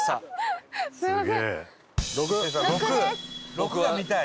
「６」が見たい。